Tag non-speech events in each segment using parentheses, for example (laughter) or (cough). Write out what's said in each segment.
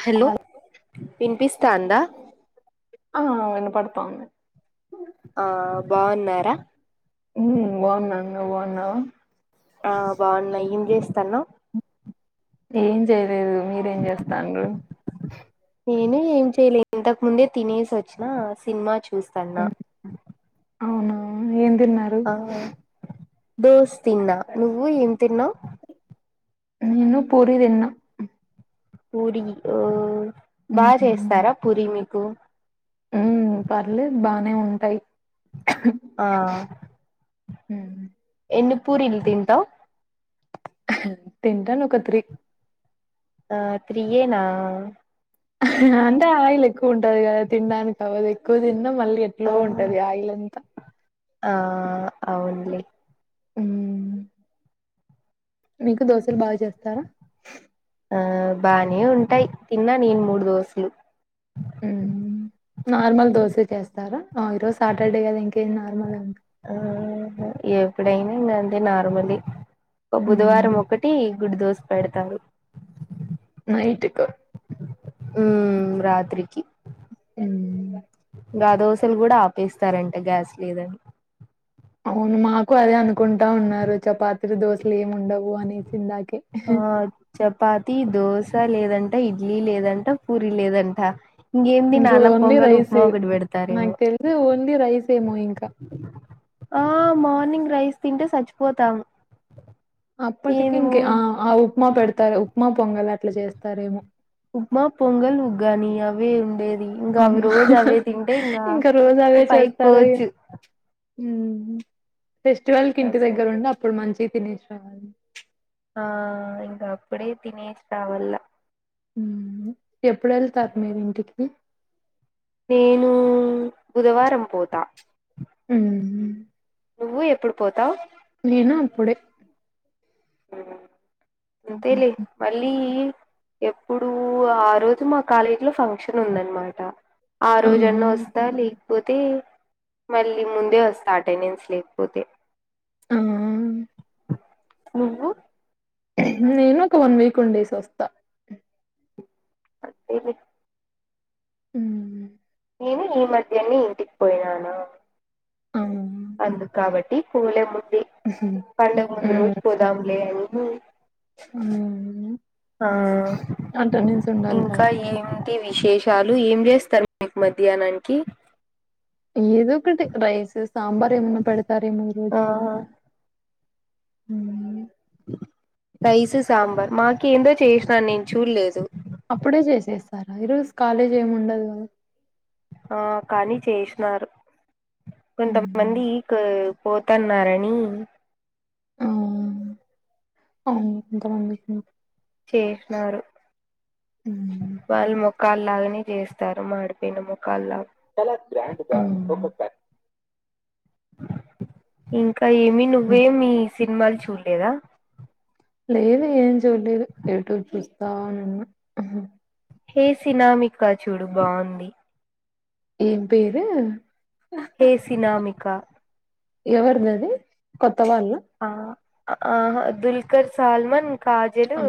Hello హల్ విన్పిపిస్ తాంద ఆ వినపడతాంది ఆ బాగున్నారా నువ్ బాగున్నావా ఆ బాగున్నా ఏం చేస్తాన్నావ్ ఏం చేయలేదు మీరేం చేస్తాండ్రు నేను ఏం చెయలేదు ఇంతకు ముందే తినేసి వచ్చినా సినిమా చు స్తాన్న అవున ఏం తిన్నారు ఆ దోస్ తిన్నా నువ్వు ఎం తిన్న నేను పూరీదిన్న పూరి ఓ బాగా చేస్తారా పురి మీ కో ఉం పర్లేదు బానే ఉంటాయి ఆ ఉమ్మ్ ఎన్ని పూరిల్ తింటావ్ తింటను ఒక త్రీ ఆ త్రీ యేనా అంటే ఆయిల్ ఎక్కువ ఉంటది కదా తినడానికి అవ్వదు ఎక్కువ తి న్న మళ్ళీ ఎట్లో ఉంటది ఆయిలంతా ఆహ్ అవునులే ఉం మీకు దోసలు బాగా చేస్తారా ఆ బానే ఉంటాయి తిన్నా నేను మూడు దోసలు ఉం నార్మల్ దోసే చేస్తారా ఆ ఇ రోజు సాటర్డే కదా ఇంకేంది ముంది ఇంకా ఆ హ్ ఎప్పుడైనా ఇగాంతే నార్మల్లి బుధవారం మ్మ్ ఒకటి గుడ్డు దోస పెడతారు నైట్ కు ఉహ్ రాత్రికి ఉహ్ ఇంగా దోసలు కూడా ఆపేస్తారంట గ్యాస్ లేదని అవును మాకు అదే అనుకుంటా ఉన్నారు చపాతిలు దోశలు ఏమి ఉండవు అనీ ఆ చపాతి దోస స లేదంట ఇడ్లీ లేదంట పూరీ లేదంట ఇంకేం ఇంగా తినాలా ఓన్లీ పొంగల్ రైస్ ఉప్మా ఒకటి పెడతారేమో నాకు తెలిసి ఓన్లీ రైస్ సేమో ఇంకా ఆ మార్నింగ్ రైస్ తింటే సచ్చిపోతాము అప్పటికి ఇంకే ఆ ఆ ఉప్మా పెడతారు ఉప్ ఉప్మా పొంగల్ అట్లా చేస్తారేమో ఉప్మా పొంగల్ ఉగ్గాని అవే ఉండేది ఇంగా అవి అమ్మ. రోజు అవే తింటే ఇంగా ఇంకా రోజు పైకి పోవచ్చు ఉహ్ ఫెస్టివల్ కి ఇంటి దగ్గర ఉండి అప్పుడు మంచి తినెశ్న ఏం కాదులే ఆ ఇంకా అప్పుడే తినేష్ రావల్ల ఎప్పుడు వెళ్తారు మీరూ ఇంటికి నేను బుధవారం పోత ఉహ్ నువ్వు ఎప్పుడు పోతావు్ నేనా అప్పుడే స హ్మ్. ఎంతేలే మళ్ళీ ఎప్పుడు ఆ రోజు మా కాలేజీ లో ఫంక్షన్ ఉందనమాట ఆ రోజన్న వస్తాలి కపోతే మళ్ళీ ముందే వస్తా అటెండెన్స్ లేకపోతే ఆ నును నేను ఒక వన్ వీక్ ఉండేసి వస్తా (unintelligible) ఉ నేను ఈ మధ్యన్ని ఇంటికి పోయినను అవును. అందు కాబట్టి (unintelligible) హ్మ్. పంటకు ముందు రోజు పోదములే అ ఆ ఆ ఉండాలి కదా! ఇంకా ఏంటి విశేషాలు రూ ఏం చేస్తారు (inaudible) మధ్యానానికీ? ఏదో ఒకటి రైస్, సాంబార్ ఏమన్నా పెడతారేమో ఆ ఈరోజు. హ రైసు, సాంబార్ మాకేందో చేసినాను నేను చూళ్లేదు. అప్పుడే చేసేస్తారా? ఈరోజు కాలేజ్ ఏమి ఉండదు కదా. ఆ కానీ చేషినారు. హ్మ్. కొంతమంది క పోతన్నారనీ అవు అవు ఇంకా (inaudible) చేషినారు. హ్మ్. వాల్లు మొ కాల్లాగనే జేస్తారు, మాడిపోయిన మొకాల్లా. చాలా గ్రాండ్ గా (unintelligible) హ్మ్ కా ఏమి నువ్వే హ్మ్. మీ సినిమాల్ చూళ్లేదా? లేదు ఏం చూడలేదు, ఎటో చుస్తావున్న. హే సినామికా చూడు బావుంది. ఏం పేరు? పేసినామి. క ఎవరిది అది కొత్త వాల్లు. ఆ ఆహ దుల్కర్ సాల్మన్. కాజలూ ఆ!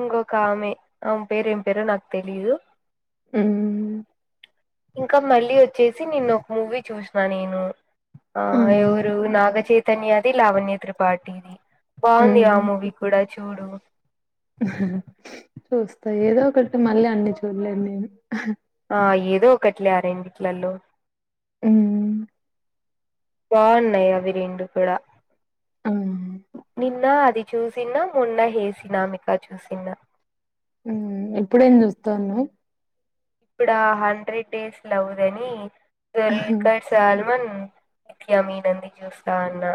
ఇంకొ కామె ఆమె పేరు ఏం పేరో నాకు తెలీదు. హ్మ్ ఇంకా మల్లీ ఒచ్చేసి నిన్న ఒక మూవీ చూసినా నేను. ఆ ఎవరూ నాగచేత్ ధన్యాది లావణ్య త్రిపాటిది. బావుందిగా ఆ హ్మ్. మూవీ కూడా. చూడు చూస్తా ఏదో ఒకటి మల్లీ అన్ని చూడలేను నేను. ఆ ఏదో ఒకటిలే ఆ రెండిట్లల్లో. హ్మ్మ్ బావున్నై అవి రెండు కుడా. హ్మ్ నిన్నా అది చూసిన, మొన్న హేసినామిక చూసిన. హ్మ్ ఇప్పుడేం జూస్తవ్ నువ్? ఇప్పుడా హండ్రెడ్ డేస్ లవ్ దనీ. దుల్కర్ సాల్మన్. క్య మీదండి చూస్తా అన్నా.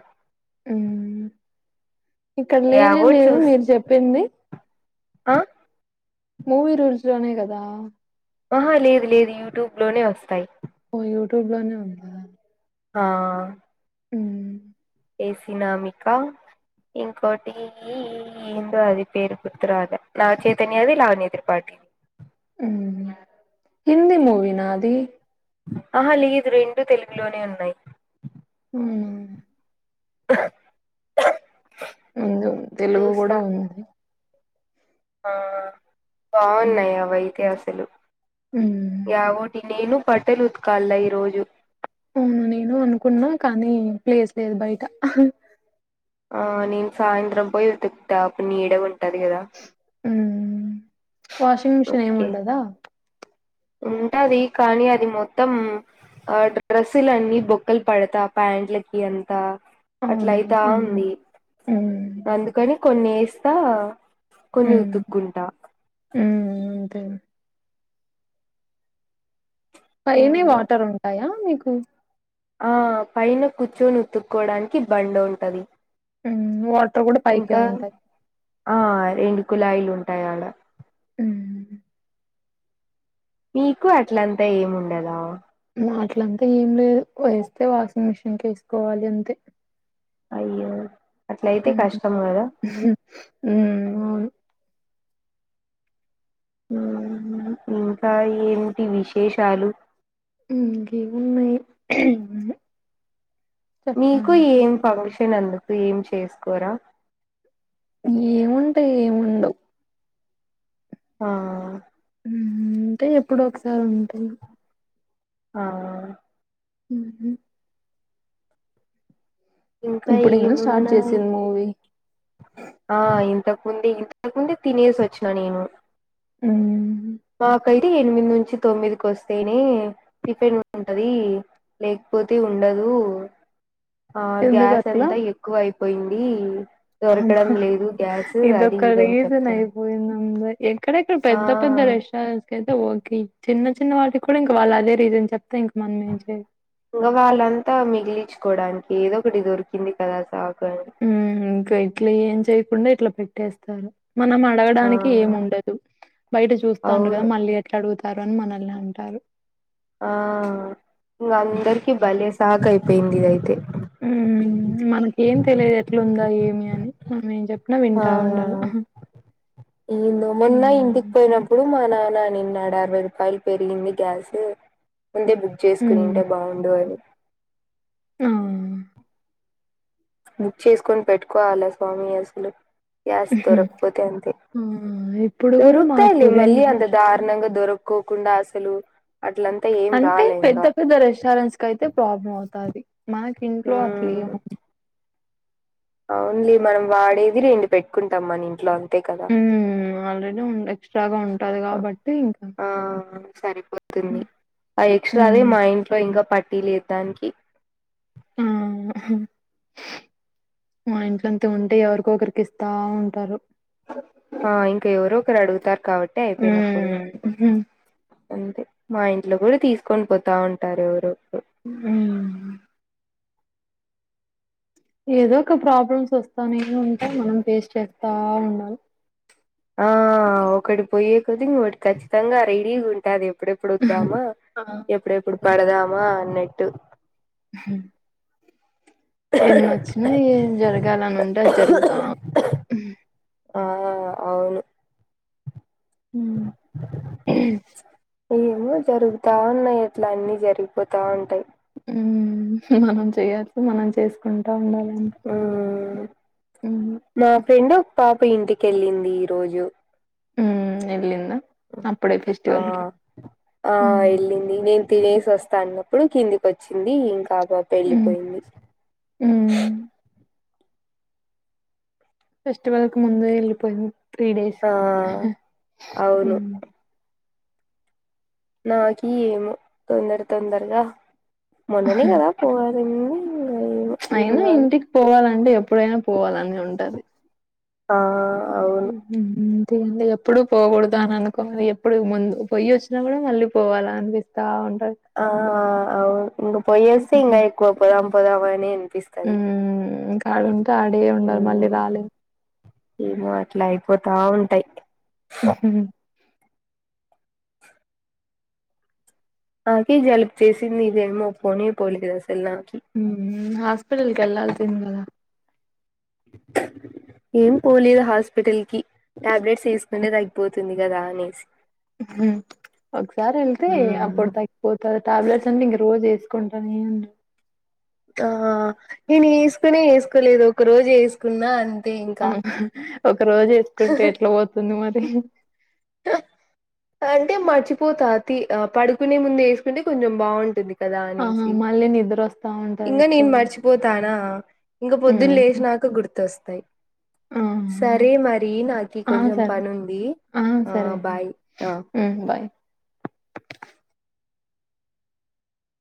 హ్మ్మ్ ఇక్కడ లేనే యావో లేవు చూస్ మీరు జేప్పింది. ఆ మూవీ రూల్స్ లోనే గదా ఆహా లేదు లేదు యూట్యూబ్ లోనే వస్తాయి. ఓ యూట్యూబ్ లోనే ఉందా ఆహ్ ఆ మ్మ్ ఏసినామికా ఇంకోటి ఈ ఏందో అది పేరు గుర్తురావట్లే. నాగచైతన్యది, లావన్య త్రిపాఠిది. మ్మ్ హిందీ మూవీ నా అది ఆహ లేదు రెండు తెలుగులోనే ఉన్నాయి. హ్మ్ ముందు తెలుగు గూడా ఉంది. ఆహ్ ఉమ్, బాగున్నాయ్ అవైతే అసలు. ఉమ్. ఇగ అవోటి నేను బట్టలు ఉత్కల్ల ఈరోజు ఉమ్ నేను అనుకున్నాం. కానీ ప్లేస్ లేదు బయట ఆ నేను సాయంత్రం పోయి ఉతుక్తా. అప్పుడు నీడ ఉం మ్మ్ వాషింగ్ మెషనేం ఉతికి ఉండదా ఉంటది. కానీ అది మొత్తం. ఆ డ్రెస్సులన్ని బొక్కల్ పడతా, ప్యాంట్లకి అంతా అవునా అట్లయితా ఉమ్, ఉంది. ఉమ్, అందుకని కొన్ని ఎస్ ఆహ్ కొన్ని ఉమ్. ఉతుక్కుంటా తేనా పైనే ఏందో వాటర్ ఉంటాయా మీక్ కు ఆ పైన కూర్చొని ఉత్తుక్కోవడానికి బండ ఉంటది. హ్మ్ వాటర్ కూడా పైకే ఇంకా ఉంటాయి. ఆ రెండు కులాయిలు ఉంటాయ్ ఆడ హ్మ్ మీకు అట్లంతా ఏమి ఉండదా. హా అట్లంతా ఏం లేదు. వేస్తే వాషింగ్ మిషిన్ కేసుకోవాలి అంతే. అయ్యో అట్లయితే హ్మ్ కష్టం కదా హు ఉహు హ్మ్ అవును ఉహ్మ్ ఇంకా ఏమిటి విశేషాలు ఉహ్మ్ ఇంకా ఉన్నాయి. మీకు ఏం ఫంక్షన్ తినందుకు ఏం చేసుకోరా ఏముంటయ్ ఏముండవ్ ఆహ్ ఉ ఉంటే ఎప్పుడో ఒకసారి ఉంటయి ఆ ఉ ఇంకా ఇప్పుడు ఎందుకు స్టార్ట్ ఏమున్నాయి చేసింది మూవీ ఆ ఇంతకు ముందే ఇంతకు ముందే తినేసి వచ్చిన నేను ఉ అంటే ఎనిమిది నుంచి తొమ్మిదికి వస్తేనే టిఫిన్ ఉంటది లేకపోతే ఉండదు ఆ గ్యాస్ ఎందుకట్లా? అంతా ఎక్కువ అయిపో పోయింది అ హ ఇది ఒక్క ఇదని రీజన్ చెప్తాను అయ్యిపోయింది అంతే ఎక్కడెక్కడ ఆ పెద్ద పెద్ద రెస్టారెంట్స్ కయితే ఓకే చిన్న చిన్న వాటికి కూడా ఇంకా వాళ్ళ అదే రిజన్ చెప్తా ఇంకా కూరగాయలంతా మిగిలిచ్చు కోవడానికి ఏదో ఒకటి దొరికింది కదా సాకు అని ఉ హు ఇట్లే ఏం చేతే ఇప్పుడున్న ఇట్లా పెట్టేస్తారు మనం ఆ అడగడానికి ఏముండదు బయట చూస్తా కదా అవును మళ్ళీ ఎట్లా అడుగుతం అ రామ్ అని మనల్ని అంటారు ఆ ఇంకా అందరికి బాలే సక్ ఐది పేత్ర్ అయితే ఉమ్ మనం ఏం తెలియదు ఎట్లా ఉందా ఏమి అని మనం ఏం చెప్ ఆ ఈంతొ మొన్న ఇంటికి హ్మ్. పోయినప్పుడు మన నన్ నిన్నడ్ అరవై రూపాయల్ పెరిగింది కేయాసు ముందే బుక్ చేసుకుని హ్మ్. ఉంటే బాగుండు అని ఆ! బుక్ చేసుకొని పెట్టుకోవాలా స్వామి ఎసులు గాస్ దొరుక్పోతే అంత ఆ! ఇప్పుడు గూడా మాకు దొరుకుతాయి మళ్ళీ రెండు హాస్ అంద ద దా ర్నంగా దొర కోకుండా ఆసలు అంటే పెద్ద పెద్ద రెస్టారెంట్స్ కైతే ప్రాబ్లం అవుతదీ మార్క్ ఇంట్లో అట్లే లియో అవులే మనం వాడేది రెండి పెట్టుకుంటాం మన ఇంట్లో కదా ఉమ్ ఆల్రెడీ ఎక్స్ట్రాగా ఉంటది కాబట్టి ఇంకా సరే వర్క్ ఉంది ఆ ఎక్స్ అదే హ్మ్ మా ఇంట్లో ఇంకా పట్ టీ ల్ దానికి ఉమ్ మా ఇంట్లోంత ఉంటే ఎవరికో ఒకరికి ఇస్తా ఉంటారు ఆ ఇంకా ఎవరో ఒకరు అడుగుతారు. కాబట్టే అయిపోయినపుడు హ్మ్ హ్మ్ అంతే మా ఇంట్లో కూడా తీసుకొని పోతా ఉంటారు ఎవరో హ్మ్. ఏదో ఒక ప్రాబ్లెమ్ వస్తానే ఉంటై మనం ఫేస్ చేస్తా ఉండాలి పోయే క్లోజింగ్ ఒకటి ఖచ్చితంగా రెడీ గా ఉంటది ఎప్పుడెప్పుడు వద్దామా ఆ ఎప్పుడెప్పుడు పాడడామా నెట్టు ఎన్నొచ్చినా ఏం జరగాలని ఉంటే అది జరుగుతాంట ఆ అవును హ్మ్ ఏమో జరుగుతా ఉన్నాయి అట్లా అన్ని జరిగిపోతా ఉంటాయి. ఉమ్ మనం చేయాల్సింది మనం చేసుకుం ఉమ్ ఉహు మా ఫ్రెండ్ పా ఇంటికెళ్ళింది ఈ రోజు ఉమ్ ఎలింద ఆ ఆ ఉమ్ ఎలింది నేన్ తినేసే వస్తా అన్నప్పుడు కిందికి వచ్చింది ఇంకా పాప ఉమ్ ఎళ్ళిపోయింది ఉమ్ ఫెస్టివల్ కి ముందే ఎళ్ళిపోయింది త్రీ డేస్ ఆ అవును నాకి ఏమి తొందర తొందరగా మోన్ననే గాదా పోవాలి అనింది అయినా ఇంటికి పోవాలంటే ఎప్పుడైనా పోవాలని ఉంటది ఆ అవును పుదే ఎప్పుడు పోకూడదు అని అనుకోవాలి ఎప్పుడు ముందు పోయి వచ్చినా కూడా మళ్ళీ పోవాల అనిపిస్తా ఉ ఆ అవు ఇంగ పోయోసే ఇంకా ఎక్కువ పోదా పోదా మేం ఉ ఇంకా ఆడుఉంటే ఆడే ఉండాలి మళ్ళీ మ్మ్ రాలేము ఏమో అట్లా అయిపోతా ఉంటాయి ఉహు నాకు జలుబు చేసింది ఇదేమో పోనే పోలే కదా ఉమ్మ్ హాస్పిటల్ కి ఎల్లాసింది గదా ఏం పోలేదు హాస్పిటల్ కి టాబ్లెట్స్ యేస్కునేది అయ్పోతుంది కదా అనేసి మ్మ్ ఒకసారి ఎళ్తే అప్పుడు తగ్గిపోతా టాబ్లెట్స్ అంటే ఇంక రోజు వేస్ కొంటా హ్మ్ ఆ నేను యేసుకునే యేసుకోలేదు ఒక రోజు యేసుకున్నా అం (unintelligible) ఒక రోజు యేసుకుంటే ఎట్లా పోతుంది మరి (unintelligible) అంటే మర్చిపోతా తీ పడుకునే ముందు ఏసుకుంటే కొంచం బాగుంటుంది కదా ఆహా అనేసి మళ్ళీ నిద్రొస్తా ఉంటది ఇంగ ఎక్కువ నేను మర్చిపోతానా ఇంగ పొద్దున్న హ్మ్ లేష్నాక గుర్తొస్ త్తె ఆ సరే మరి నాకి ఆ కొంచం సరే పనుంది ఆ ఆ సరే బాయ్ ఆ ఉమ్ బాయ్